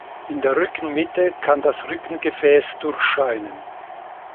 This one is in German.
In der Rückenmitte kann das Rückengefäß durchscheinen.